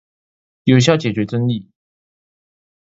有效解決爭議